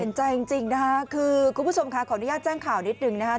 เห็นใจจริงคือคุณผู้ชมค่ะขออนุญาตแจ้งข่าวนิดหนึ่งนะครับ